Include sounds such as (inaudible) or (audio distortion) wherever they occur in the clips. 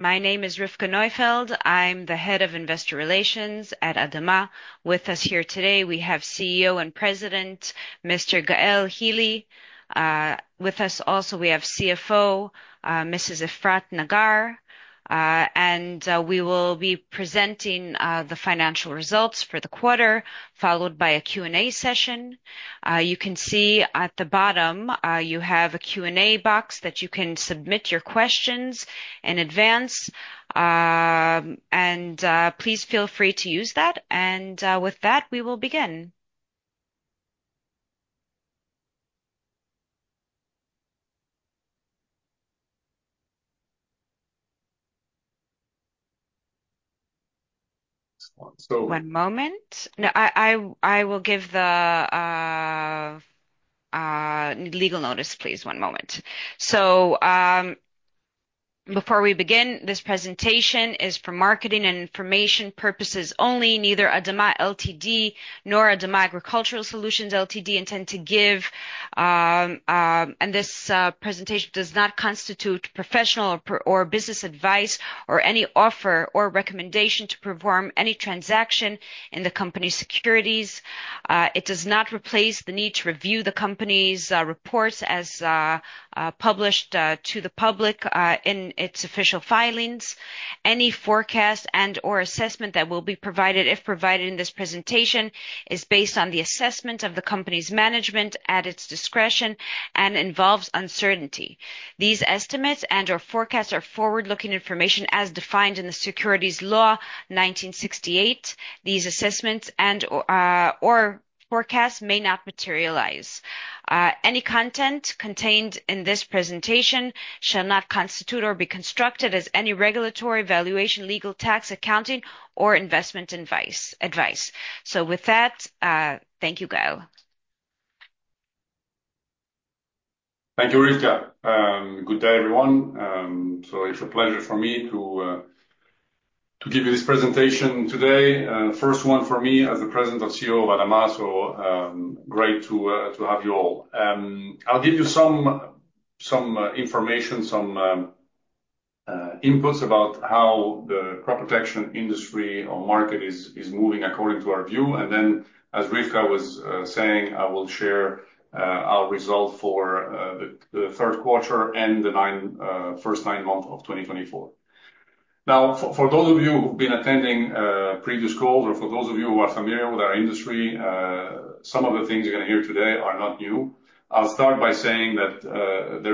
My name is Rivka Neufeld. I'm the Head of Investor Relations at ADAMA. With us here today, we have CEO and President, Mr. Gaël Hili. With us also, we have CFO, Mrs. Efrat Nagar. And we will be presenting the financial results for the quarter, followed by a Q&A session. You can see at the bottom, you have a Q&A box that you can submit your questions in advance. And please feel free to use that. And with that, we will begin. One moment. I will give the legal notice, please. One moment. So before we begin, this presentation is for marketing and information purposes only. Neither ADAMA Ltd nor ADAMA Agricultural Solutions Ltd intend to give. This presentation does not constitute professional or business advice or any offer or recommendation to perform any transaction in the company's securities. It does not replace the need to review the company's reports as published to the public in its official filings. Any forecast and/or assessment that will be provided, if provided in this presentation, is based on the assessment of the company's management at its discretion and involves uncertainty. These estimates and/or forecasts are forward-looking information as defined in the Securities Law 1968. These assessments and/or forecasts may not materialize. Any content contained in this presentation shall not constitute or be construed as any regulatory, valuation, legal, tax, accounting, or investment advice. So with that, thank you, Gaël. Thank you, Rivka. Good day, everyone. So it's a pleasure for me to give you this presentation today. First one for me as the President and CEO of ADAMA. So great to have you all. I'll give you some information, some inputs about how the crop protection industry or market is moving according to our view. And then, as Rivka was saying, I will share our result for the third quarter and the first nine months of 2024. Now, for those of you who've been attending previous calls or for those of you who are familiar with our industry, some of the things you're going to hear today are not new. I'll start by saying that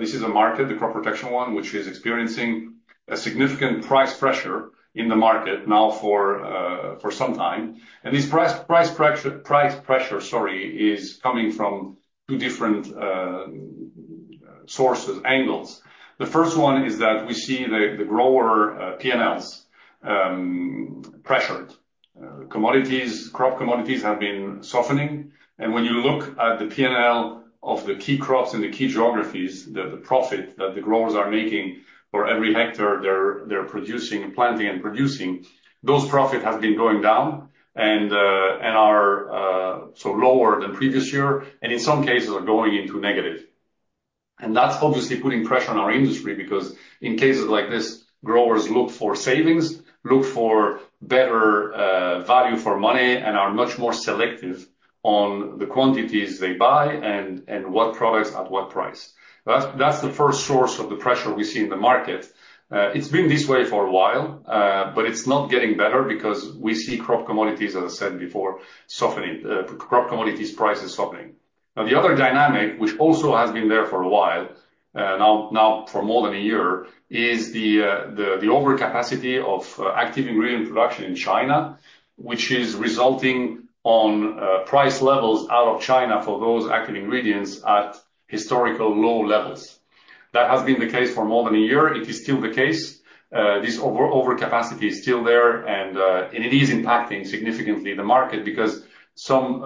this is a market, the crop protection one, which is experiencing a significant price pressure in the market now for some time. And this price pressure, sorry, is coming from two different sources, angles. The first one is that we see the grower P&Ls pressured. Crop commodities have been softening, and when you look at the P&L of the key crops in the key geographies, the profit that the growers are making for every hectare they're producing, planting and producing, those profits have been going down and are so lower than previous year and in some cases are going into negative, and that's obviously putting pressure on our industry because in cases like this, growers look for savings, look for better value for money, and are much more selective on the quantities they buy and what products at what price. That's the first source of the pressure we see in the market. It's been this way for a while, but it's not getting better because we see crop commodities, as I said before, softening. Crop commodities prices softening. Now, the other dynamic, which also has been there for a while, now for more than a year, is the overcapacity of active ingredient production in China, which is resulting in price levels out of China for those active ingredients at historical low levels. That has been the case for more than a year. It is still the case. This overcapacity is still there, and it is impacting significantly the market because some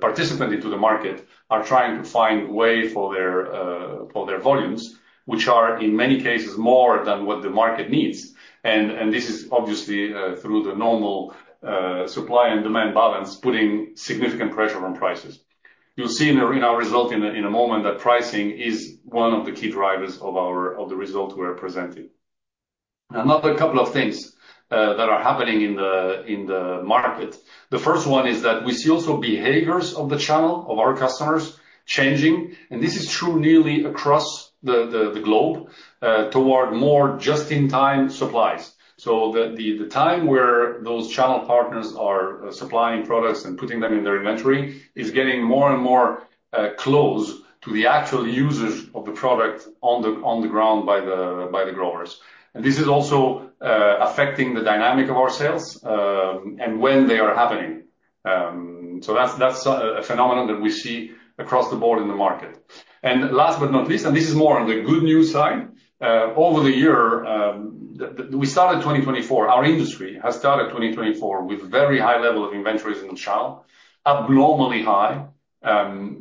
participants into the market are trying to find a way for their volumes, which are in many cases more than what the market needs, and this is obviously through the normal supply and demand balance, putting significant pressure on prices. You'll see in our result in a moment that pricing is one of the key drivers of the result we're presenting. Another couple of things that are happening in the market. The first one is that we see also behaviors of the channel of our customers changing. And this is true nearly across the globe toward more just-in-time supplies. So the time where those channel partners are supplying products and putting them in their inventory is getting more and more close to the actual users of the product on the ground by the growers. And this is also affecting the dynamic of our sales and when they are happening. So that's a phenomenon that we see across the board in the market. And last but not least, and this is more on the good news side, over the year, we started 2024, our industry has started 2024 with a very high level of inventories in the channel, abnormally high.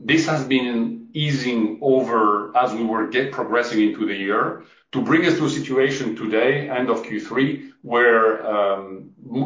This has been easing over as we were progressing into the year to bring us to a situation today, end of Q3, where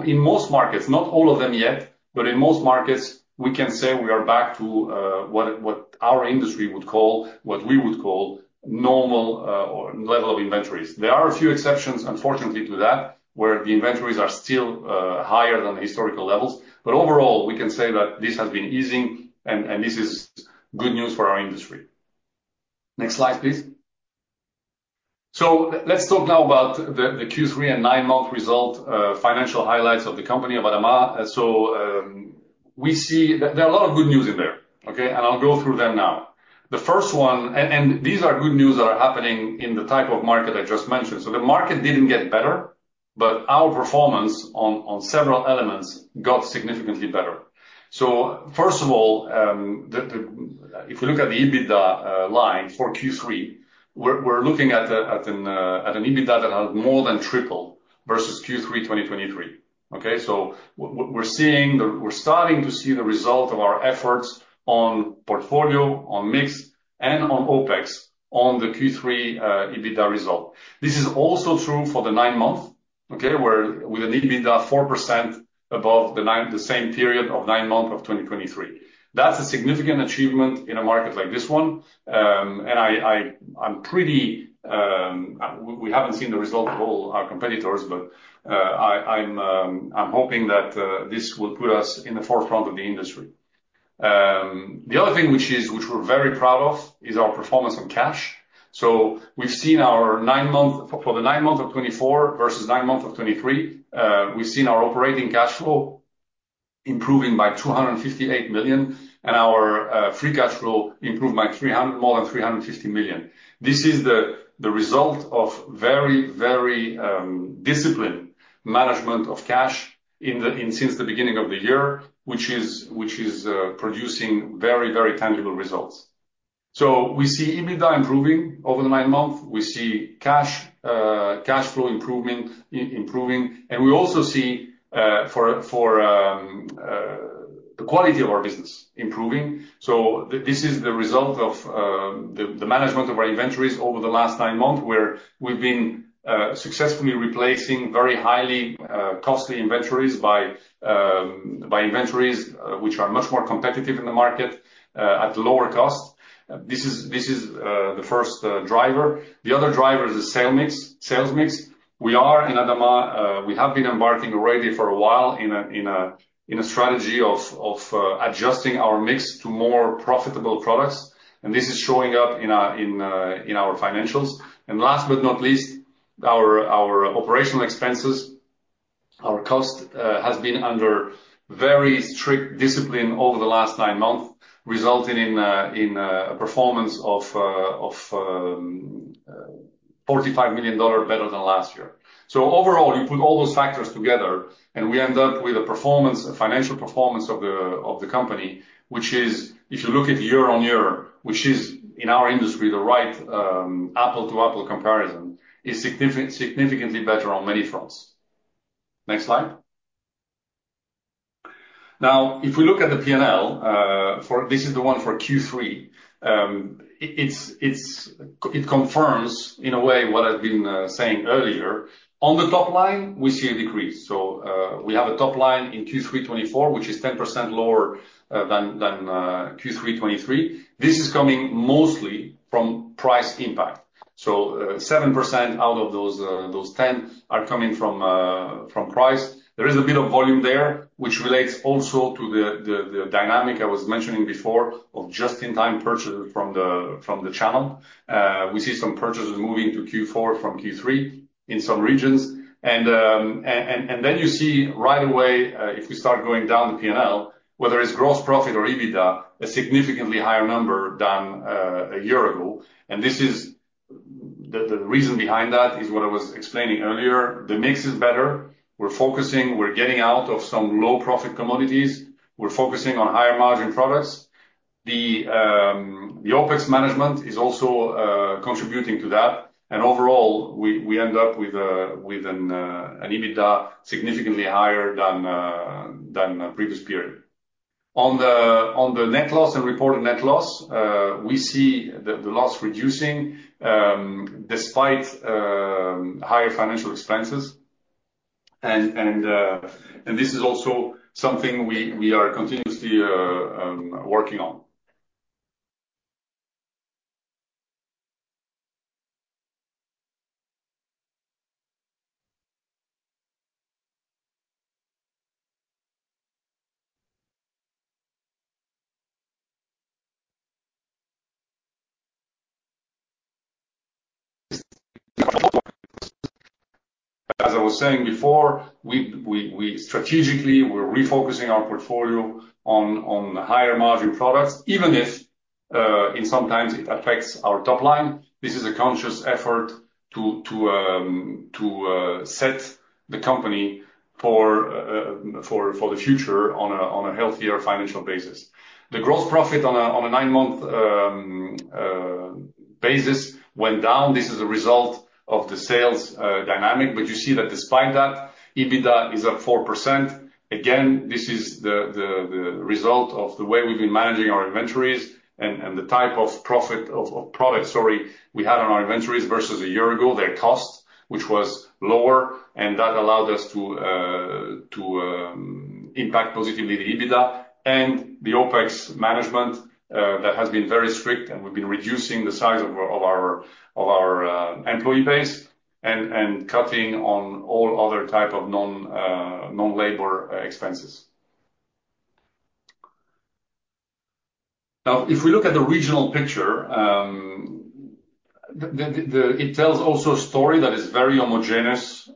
in most markets, not all of them yet, but in most markets, we can say we are back to what our industry would call, what we would call normal level of inventories. There are a few exceptions, unfortunately, to that, where the inventories are still higher than the historical levels. But overall, we can say that this has been easing, and this is good news for our industry. Next slide, please. So let's talk now about the Q3 and nine-month result financial highlights of the company of ADAMA. So we see there are a lot of good news in there. Okay? And I'll go through them now. The first one, and these are good news that are happening in the type of market I just mentioned. So the market didn't get better, but our performance on several elements got significantly better. So first of all, if we look at the EBITDA line for Q3, we're looking at an EBITDA that has more than tripled versus Q3 2023. Okay? So we're starting to see the result of our efforts on portfolio, on mix, and on OpEx on the Q3 EBITDA result. This is also true for the nine-month, okay, where with an EBITDA 4% above the same period of nine months of 2023. That's a significant achievement in a market like this one. And we haven't seen the result of all our competitors, but I'm hoping that this will put us in the forefront of the industry. The other thing which we're very proud of is our performance on cash. So we've seen our nine-month for the nine months of 2024 versus nine months of 2023. We've seen our operating cash flow improving by $258 million, and our free cash flow improved by more than $350 million. This is the result of very, very disciplined management of cash since the beginning of the year, which is producing very, very tangible results. So we see EBITDA improving over the nine months. We see cash flow improving, and we also see the quality of our business improving. So this is the result of the management of our inventories over the last nine months, where we've been successfully replacing very highly costly inventories by inventories which are much more competitive in the market at lower cost. This is the first driver. The other driver is the sales mix. We are in ADAMA. We have been embarking already for a while in a strategy of adjusting our mix to more profitable products. And this is showing up in our financials. And last but not least, our operational expenses, our cost has been under very strict discipline over the last nine months, resulting in a performance of $45 million better than last year. So overall, you put all those factors together, and we end up with a financial performance of the company, which is, if you look at year on year, which is in our industry the right apple-to-apple comparison, is significantly better on many fronts. Next slide. Now, if we look at the P&L, this is the one for Q3. It confirms in a way what I've been saying earlier. On the top line, we see a decrease. So we have a top line in Q3 2024, which is 10% lower than Q3 2023. This is coming mostly from price impact. So 7% out of those 10 are coming from price. There is a bit of volume there, which relates also to the dynamic I was mentioning before of just-in-time purchases from the channel. We see some purchases moving to Q4 from Q3 in some regions. And then you see right away, if we start going down the P&L, whether it's gross profit or EBITDA, a significantly higher number than a year ago. And the reason behind that is what I was explaining earlier. The mix is better. We're focusing, we're getting out of some low-profit commodities. We're focusing on higher margin products. The OpEx management is also contributing to that. And overall, we end up with an EBITDA significantly higher than the previous period. On the net loss and reported net loss, we see the loss reducing despite higher financial expenses. This is also something we are continuously working on. As I was saying before, strategically, we're refocusing our portfolio on higher margin products, even if sometimes it affects our top line. This is a conscious effort to set the company for the future on a healthier financial basis. The gross profit on a nine-month basis went down. This is a result of the sales dynamic. You see that despite that, EBITDA is at 4%. Again, this is the result of the way we've been managing our inventories and the type of products, sorry, we had on our inventories versus a year ago, the cost, which was lower. That allowed us to impact positively the EBITDA and the OpEx management that has been very strict. We've been reducing the size of our employee base and cutting on all other types of non-labor expenses. Now, if we look at the regional picture, it tells also a story that is very homogeneous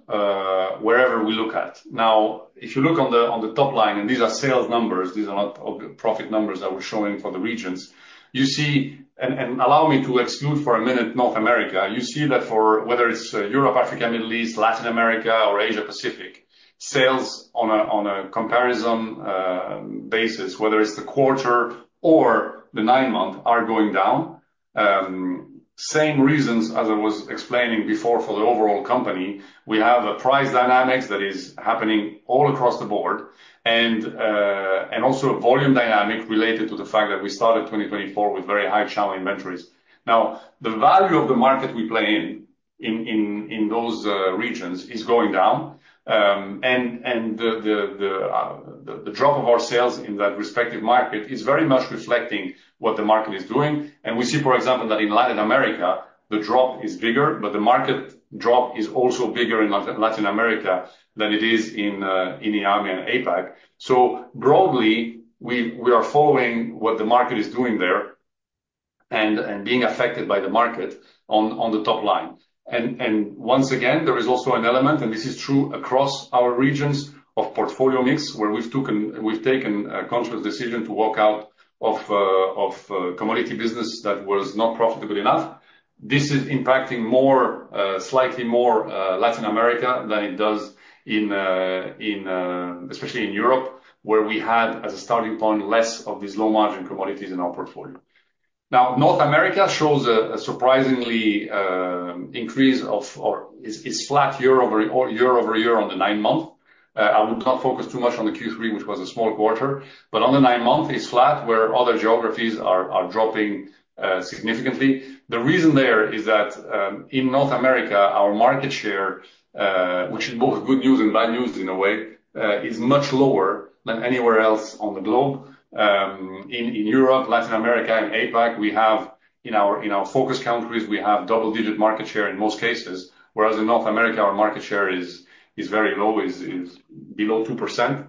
wherever we look at. Now, if you look on the top line, and these are sales numbers, these are not profit numbers that we're showing for the regions, you see, and allow me to exclude for a minute North America, you see that for whether it's Europe, Africa, Middle East, Latin America, or Asia-Pacific, sales on a comparison basis, whether it's the quarter or the nine month, are going down. Same reasons as I was explaining before for the overall company. We have a price dynamic that is happening all across the board and also a volume dynamic related to the fact that we started 2024 with very high channel inventories. Now, the value of the market we play in those regions is going down, and the drop of our sales in that respective market is very much reflecting what the market is doing, and we see, for example, that in Latin America, the drop is bigger, but the market drop is also bigger in Latin America than it is in EAME and APAC, so broadly, we are following what the market is doing there and being affected by the market on the top line, and once again, there is also an element, and this is true across our regions of portfolio mix, where we've taken a conscious decision to walk out of commodity business that was not profitable enough. This is impacting slightly more Latin America than it does, especially in Europe, where we had, as a starting point, less of these low-margin commodities in our portfolio. Now, North America shows a surprising increase or is flat year over year on the nine-month. I would not focus too much on the Q3, which was a small quarter, but on the nine-month, it's flat, where other geographies are dropping significantly. The reason is that in North America, our market share, which is both good news and bad news in a way, is much lower than anywhere else on the globe. In Europe, Latin America, and APAC, we have in our focus countries, we have double-digit market share in most cases, whereas in North America, our market share is very low, is below 2%.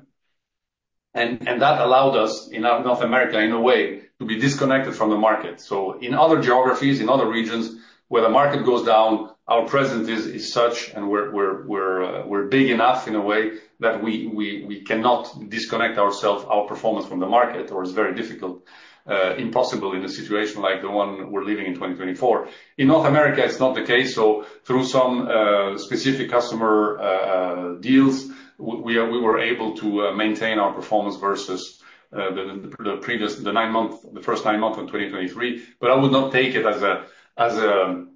That allowed us in North America, in a way, to be disconnected from the market. So in other geographies, in other regions, where the market goes down, our presence is such, and we're big enough in a way that we cannot disconnect our performance from the market, or it's very difficult, impossible in a situation like the one we're living in 2024. In North America, it's not the case. So through some specific customer deals, we were able to maintain our performance versus the nine-month, the first nine months of 2023. But I would not take it as a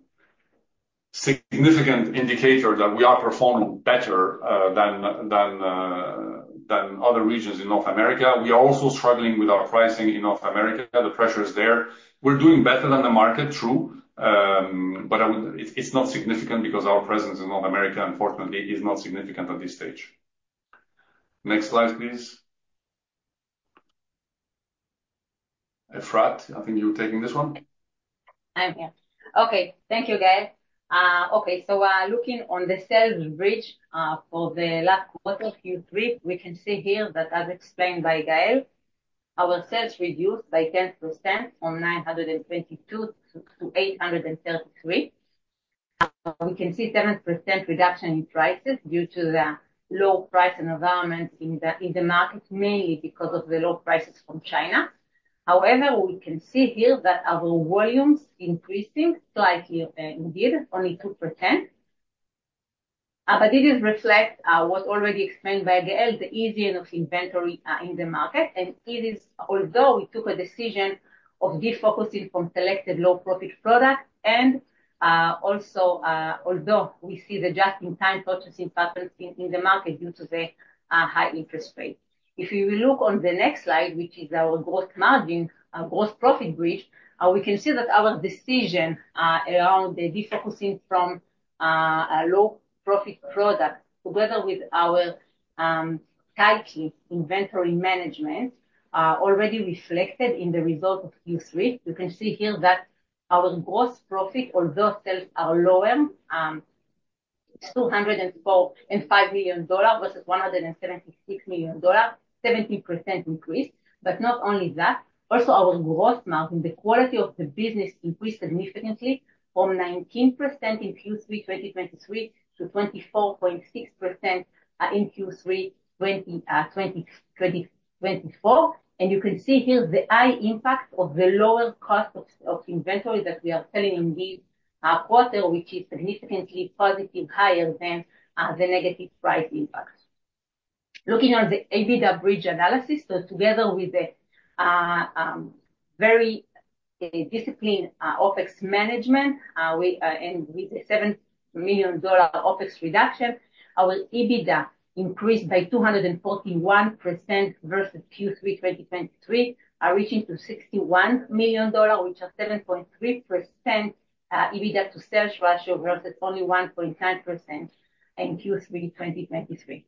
significant indicator that we are performing better than other regions in North America. We are also struggling with our pricing in North America. The pressure is there. We're doing better than the market, true. But it's not significant because our presence in North America, unfortunately, is not significant at this stage. Next slide, please. Efrat, I think you're taking this one. Okay. Thank you, Gaël. Okay. So looking on the sales bridge for the last quarter, Q3, we can see here that, as explained by Gaël, our sales reduced by 10% from 922 to 833. We can see a 7% reduction in prices due to the low price environment in the market, mainly because of the low prices from China. However, we can see here that our volume is increasing slightly indeed, only 2%. But it reflects what was already explained by Gaël, the easing of inventory in the market. And it is, although we took a decision of defocusing from selected low-profit products, and also, although we see the just-in-time purchasing pattern in the market due to the high interest rate. If we look on the next slide, which is our gross margin, our gross profit bridge, we can see that our decision around the defocusing from low-profit products together with our tight inventory management already reflected in the result of Q3. You can see here that our gross profit, although sales are lower, is $204.5 million versus $176 million, 17% increase. But not only that, also our gross margin, the quality of the business increased significantly from 19% in Q3 2023 to 24.6% in Q3 2024. And you can see here the high impact of the lower cost of inventory that we are selling in this quarter, which is significantly positive, higher than the negative price impact. Looking on the EBITDA bridge analysis, so together with the very disciplined OpEx management and with the $7 million OpEx reduction, our EBITDA increased by 241% versus Q3 2023, reaching to $61 million, which is 7.3% EBITDA to sales ratio versus only 1.9% in Q3 2023.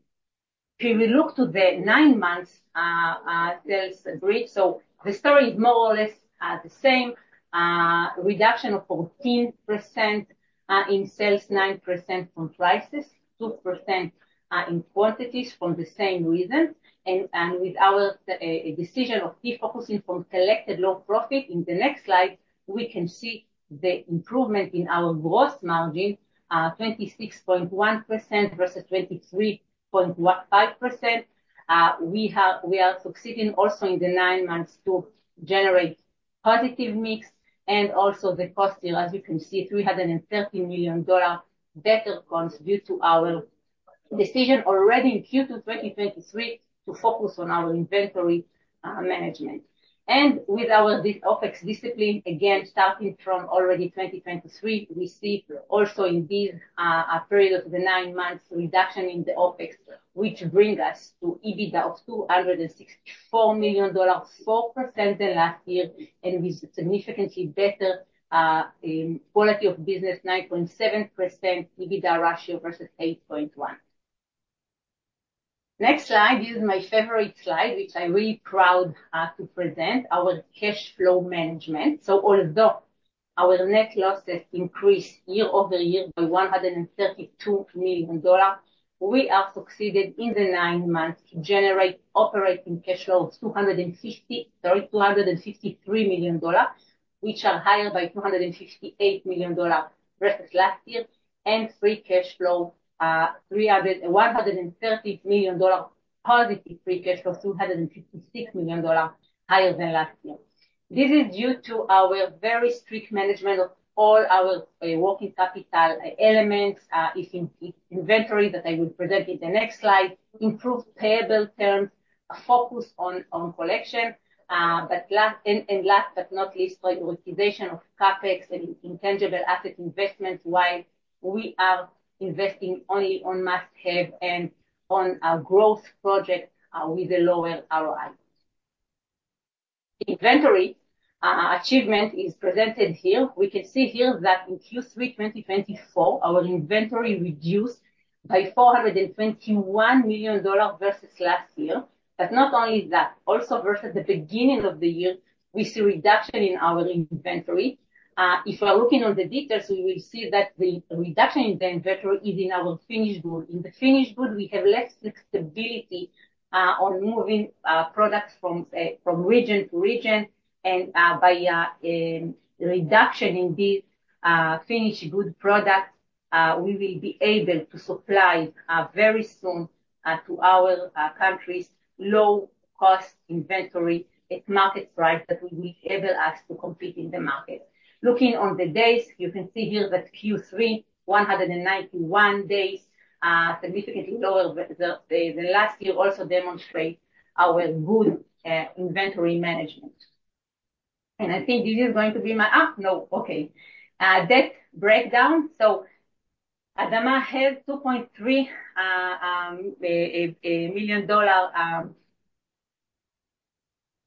If we look to the nine-month sales bridge, so the story is more or less the same. Reduction of 14% in sales, 9% from prices, 2% in quantities from the same reason, and with our decision of defocusing from selected low profit, in the next slide, we can see the improvement in our gross margin, 26.1% versus 23.5%. We are succeeding also in the nine months to generate positive mix, and also the cost here, as you can see, $330 million better cost due to our decision already in Q2 2023 to focus on our inventory management. And with our OpEx discipline, again, starting from already 2023, we see also in this period of the nine months reduction in the OpEx, which brings us to EBITDA of $264 million, 4% than last year, and with significantly better quality of business, 9.7% EBITDA ratio versus 8.1%. Next slide. This is my favorite slide, which I'm really proud to present, our cash flow management. So although our net losses increase year over year by $132 million, we are succeeded in the nine months to generate operating cash flow of $253 million, which are higher by $258 million versus last year, and free cash flow, $130 million positive free cash flow, $256 million higher than last year. This is due to our very strict management of all our working capital elements, inventory that I will present in the next slide, improved payable terms, a focus on collection. And last but not least, prioritization of CapEx and intangible asset investment while we are investing only on must-have and on our growth project with a lower ROI. Inventory achievement is presented here. We can see here that in Q3 2024, our inventory reduced by $421 million versus last year. But not only that, also versus the beginning of the year, we see a reduction in our inventory. If we're looking on the details, we will see that the reduction in the inventory is in our finished good. In the finished good, we have less flexibility on moving products from region to region. And by reduction in these finished good products, we will be able to supply very soon to our countries low-cost inventory at market price that will enable us to compete in the market. Looking on the days, you can see here that Q3, 191 days, significantly lower than last year, also demonstrate our good inventory management. And I think this is going to be my, oh, no, okay. Debt breakdown. So ADAMA has $2.3 million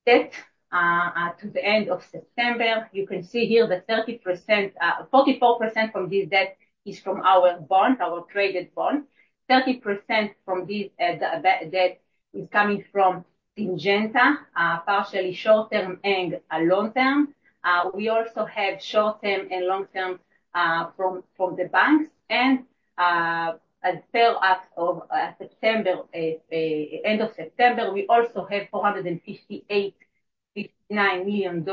debt to the end of September. You can see here that 44% from this debt is from our bond, our traded bond. 30% from this debt is coming from Syngenta, partially short-term and long-term. We also have short-term and long-term from the banks. And as per September, end of September, we also have $458.9 million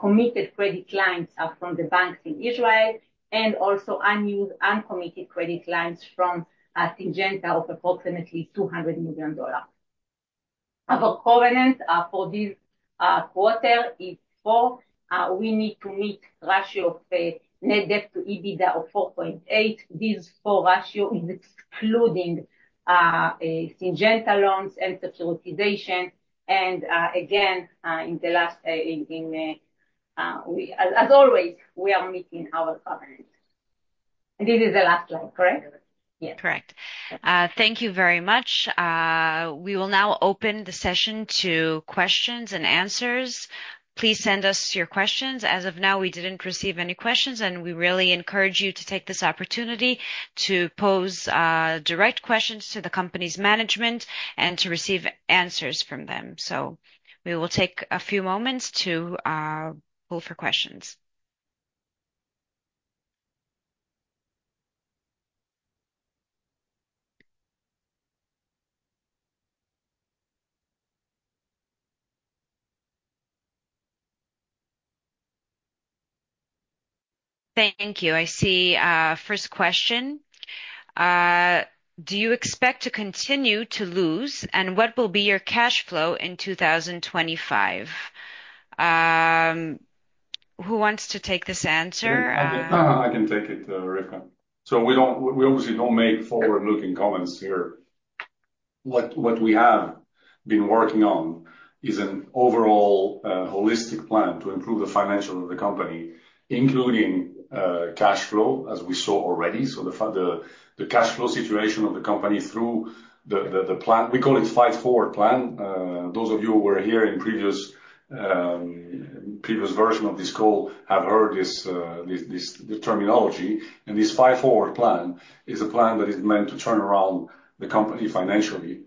committed credit lines from the banks in Israel and also uncommitted credit lines from Syngenta of approximately $200 million. Our covenant for this quarter is four. We need to meet a ratio of net debt to EBITDA of 4.8. This four ratio is excluding Syngenta loans and securitization. And again, in the last, as always, we are meeting our covenant. And this is the last slide, correct? Yes. Correct. Thank you very much. We will now open the session to questions and answers. Please send us your questions. As of now, we didn't receive any questions, and we really encourage you to take this opportunity to pose direct questions to the company's management and to receive answers from them. So we will take a few moments to poll for questions. Thank you. I see a first question. Do you expect to continue to lose, and what will be your cash flow in 2025? Who wants to take this answer? I can take it, Efrat. So we obviously don't make forward-looking comments here. What we have been working on is an overall holistic plan to improve the financials of the company, including cash flow, as we saw already. So, the cash flow situation of the company through the plan, we call it the Fight Forward Plan. Those of you who were here in the previous version of this call have heard this terminology. And this Fight Forward Plan is a plan that is meant to turn around the company financially,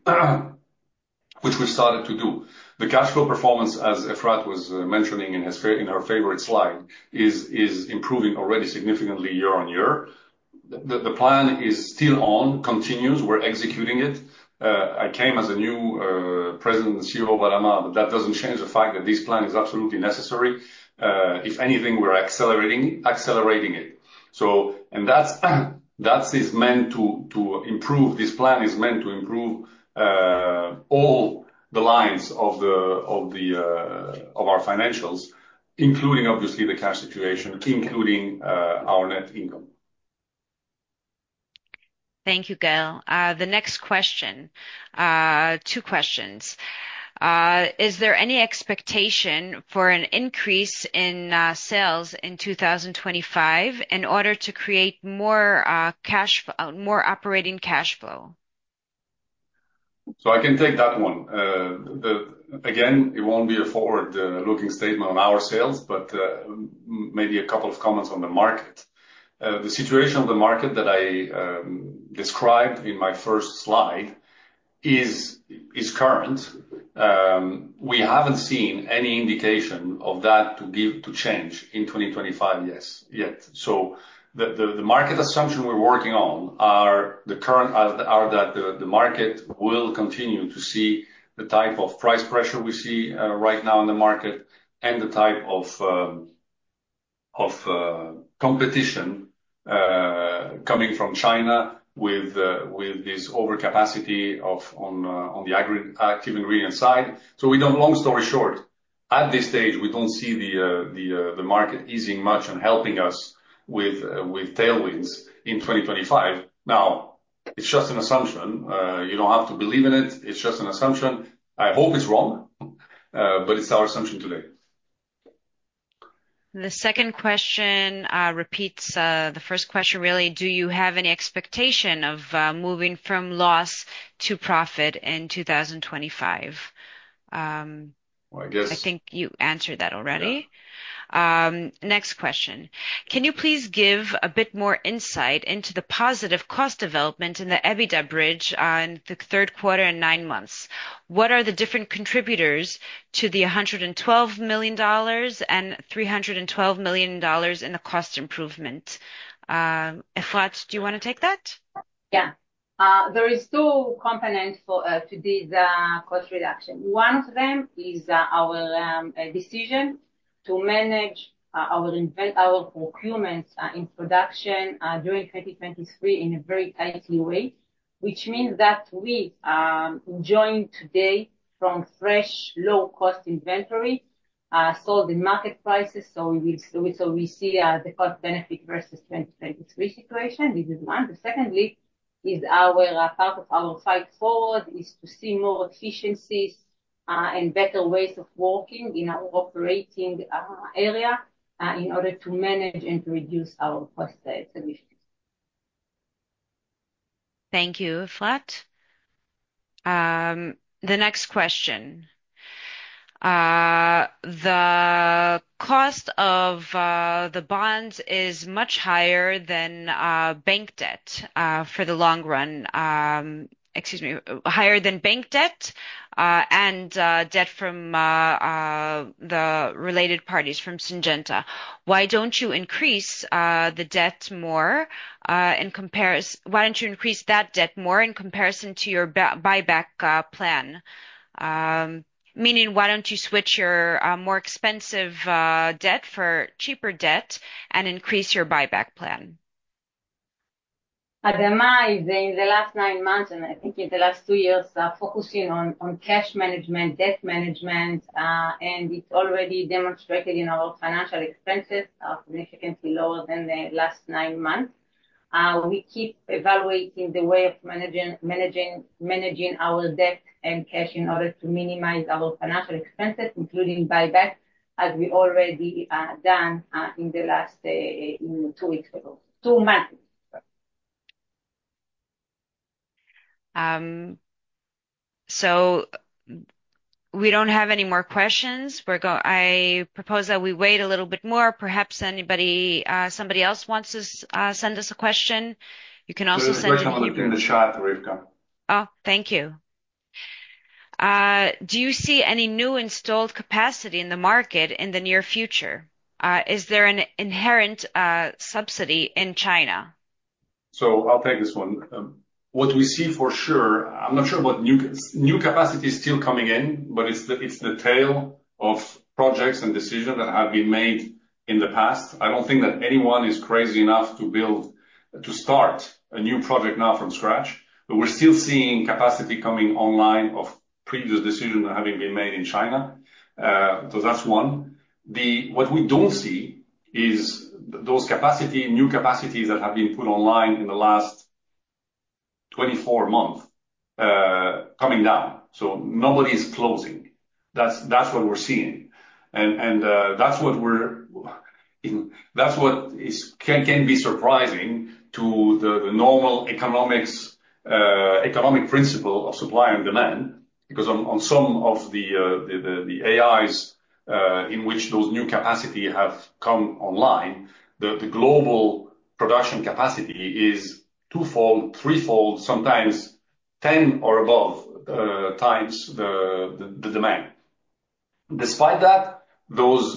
which we've started to do. The cash flow performance, as Efrat was mentioning in her favorite slide, is improving already significantly year on year. The plan is still on, continues. We're executing it. I came as a new President and CEO of ADAMA, but that doesn't change the fact that this plan is absolutely necessary. If anything, we're accelerating it. And that's meant to improve. This plan is meant to improve all the lines of our financials, including, obviously, the cash situation, including our net income. Thank you, Gaël. The next question, two questions. Is there any expectation for an increase in sales in 2025 in order to create more operating cash flow? So I can take that one. Again, it won't be a forward-looking statement on our sales, but maybe a couple of comments on the market. The situation of the market that I described in my first slide is current. We haven't seen any indication of that to change in 2025 yet. So the market assumption we're working on are that the market will continue to see the type of price pressure we see right now in the market and the type of competition coming from China with this overcapacity on the active ingredient side. So long story short, at this stage, we don't see the market easing much and helping us with tailwinds in 2025. Now, it's just an assumption. You don't have to believe in it. It's just an assumption. I hope it's wrong, but it's our assumption today. The second question repeats the first question, really. Do you have any expectation of moving from loss to profit in 2025? I think you answered that already. Next question. Can you please give a bit more insight into the positive cost development in the EBITDA bridge on the third quarter and nine months? What are the different contributors to the $112 million and $312 million in the cost improvement? Efrat, do you want to take that? Yeah. There are two components to this cost reduction. One of them is our decision to manage our procurements and production during 2023 in a very tight way, which means that we're drawing today from fresh, low-cost inventory, sold at market prices. So we see the cost-benefit versus 2023 situation. This is one. But secondly, part of our Fight Forward is to see more efficiencies and better ways of working in our operating area in order to manage and to reduce our costs. Thank you, Efrat. The next question. The cost of the bonds is much higher than bank debt for the long run. Excuse me. Higher than bank debt and debt from the related parties from Syngenta. Why don't you increase the debt more in comparison? Why don't you increase that debt more in comparison to your buyback plan? Meaning, why don't you switch your more expensive debt for cheaper debt and increase your buyback plan? ADAMA is in the last nine months, and I think in the last two years, focusing on cash management, debt management, and it's already demonstrated in our financial expenses are significantly lower than the last nine months. We keep evaluating the way of managing our debt and cash in order to minimize our financial expenses, including buyback, as we already done in the last two weeks ago, two months. So we don't have any more questions. I propose that we wait a little bit more. Perhaps somebody else wants to send us a question. You can also send your question. (audio distortion) Oh, thank you. Do you see any new installed capacity in the market in the near future? Is there an inherent subsidy in China? So I'll take this one. What we see for sure, I'm not sure about new capacity still coming in, but it's the tail of projects and decisions that have been made in the past. I don't think that anyone is crazy enough to start a new project now from scratch. But we're still seeing capacity coming online of previous decisions that have been made in China. So that's one. What we don't see is those new capacities that have been put online in the last 24 months coming down. So nobody is closing. That's what we're seeing. And that's what can be surprising to the normal economic principle of supply and demand because on some of the AIs in which those new capacities have come online, the global production capacity is twofold, threefold, sometimes 10 or above times the demand. Despite that, those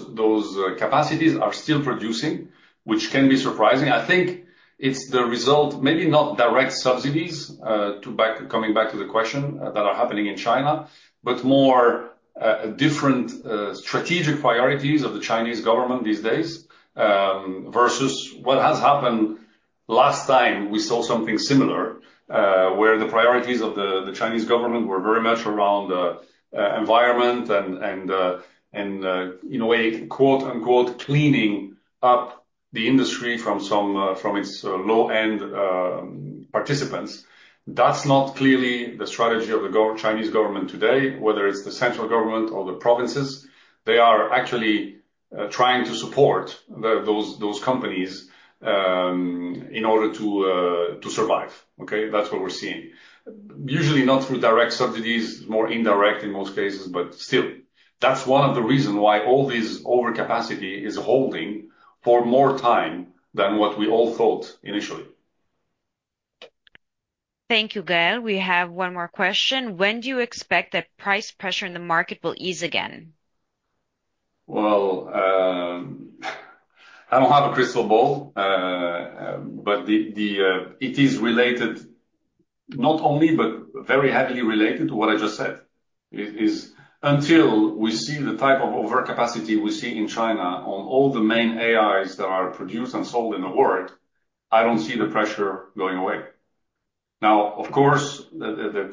capacities are still producing, which can be surprising. I think it's the result, maybe not direct subsidies, coming back to the question, that are happening in China, but more different strategic priorities of the Chinese government these days versus what has happened last time we saw something similar where the priorities of the Chinese government were very much around environment and, in a way, "cleaning up" the industry from its low-end participants. That's not clearly the strategy of the Chinese government today, whether it's the central government or the provinces. They are actually trying to support those companies in order to survive. Okay? That's what we're seeing. Usually, not through direct subsidies, more indirect in most cases, but still. That's one of the reasons why all this overcapacity is holding for more time than what we all thought initially. Thank you, Gaël. We have one more question. When do you expect that price pressure in the market will ease again? Well, I don't have a crystal ball, but it is related not only, but very heavily related to what I just said. Until we see the type of overcapacity we see in China on all the main AIs that are produced and sold in the world, I don't see the pressure going away. Now, of course, the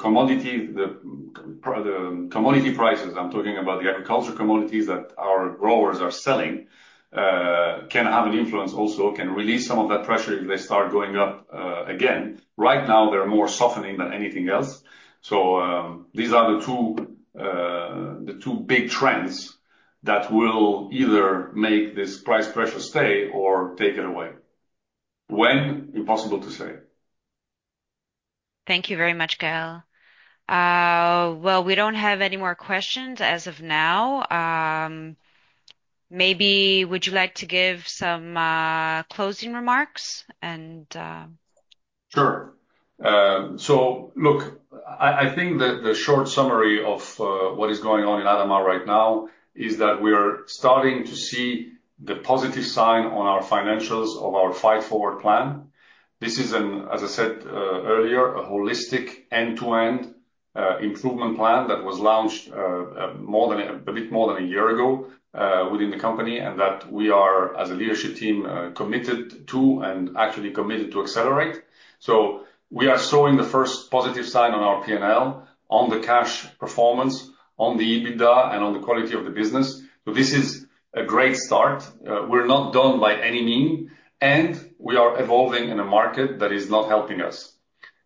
commodity prices, I'm talking about the agriculture commodities that our growers are selling, can have an influence also, can release some of that pressure if they start going up again. Right now, they're more softening than anything else. So these are the two big trends that will either make this price pressure stay or take it away. When? Impossible to say. Thank you very much, Gaël. Well, we don't have any more questions as of now. Maybe would you like to give some closing remarks? Sure. So look, I think that the short summary of what is going on in ADAMA right now is that we are starting to see the positive sign on our financials of our Fight Forward Plan. This is, as I said earlier, a holistic end-to-end improvement plan that was launched a bit more than a year ago within the company and that we are, as a leadership team, committed to and actually committed to accelerate. So we are showing the first positive sign on our P&L, on the cash performance, on the EBITDA, and on the quality of the business. So this is a great start. We're not done by any means, and we are evolving in a market that is not helping us.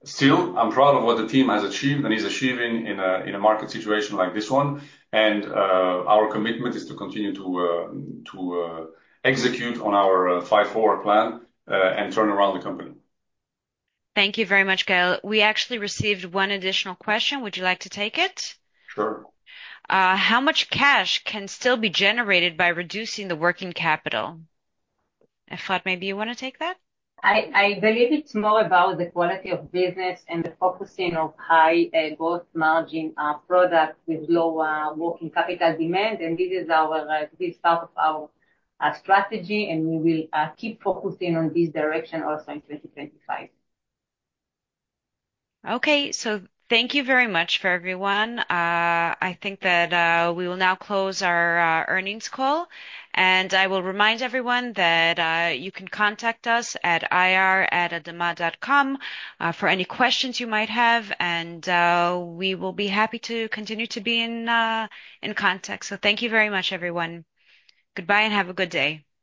Still, I'm proud of what the team has achieved and is achieving in a market situation like this one. And our commitment is to continue to execute on our Fight Forward Plan and turn around the company. Thank you very much, Gaël. We actually received one additional question. Would you like to take it? Sure. How much cash can still be generated by reducing the working capital? Efrat, maybe you want to take that? I believe it's more about the quality of business and the focusing of high gross margin products with lower working capital demand. And this is part of our strategy, and we will keep focusing on this direction also in 2025. Okay. So thank you very much for everyone. I think that we will now close our earnings call. And I will remind everyone that you can contact us at ir@adama.com for any questions you might have. And we will be happy to continue to be in contact. So thank you very much, everyone. Goodbye and have a good day.